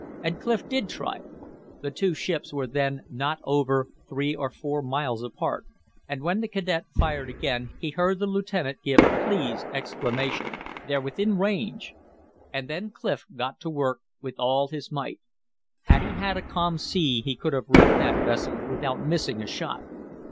And Clif did try it. The two ships were then not over three or four miles apart, and when the cadet fired again he heard the lieutenant give a pleased exclamation. "They're within range!" And then Clif got to work with all his might. Had he had a calm sea he could have raked that vessel without missing a shot.